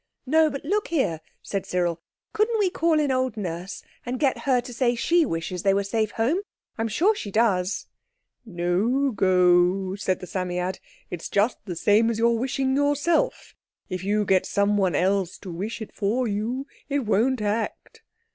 "No—but look here," said Cyril, "couldn't we call in old Nurse and get her to say she wishes they were safe home. I'm sure she does." "No go," said the Psammead. "It's just the same as your wishing yourself if you get some one else to wish for you. It won't act."